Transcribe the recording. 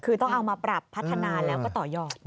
คือต้องเอามาปรับพัฒนาแล้วก็ต่อยอด